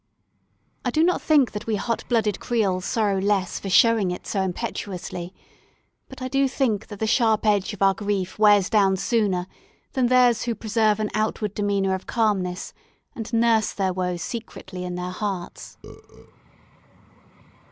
I do not think that we hot blooded Creoles sorrow less for showing it so impetuously; but I do think that the sharp edge of our grief wears down sooner than theirs who preserve an outward demeanour of calmness, and nurse their woe secretly in their hearts.